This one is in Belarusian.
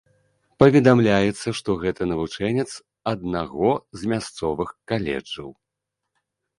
Паведамляецца, што гэта навучэнец аднаго з мясцовых каледжаў.